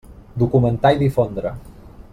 Documentar i difondre.